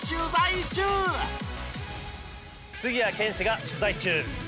『杉谷拳士が取材中』。